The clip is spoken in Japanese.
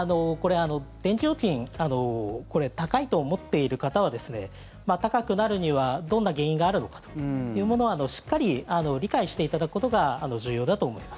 電気料金高いと思っている方は高くなるには、どんな原因があるのかというものをしっかり理解していただくことが重要だと思います。